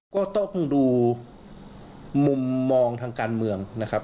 ก็ต้องดูมุมมองทางการเมืองนะครับ